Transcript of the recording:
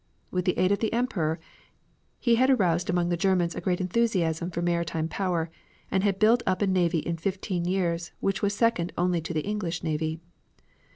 With the aid of the Emperor he had aroused among the Germans a great enthusiasm for maritime power, and had built up a navy in fifteen years, which was second only to the English navy.